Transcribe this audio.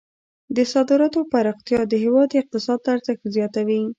د صادراتو پراختیا د هیواد اقتصاد ته ارزښت زیاتوي.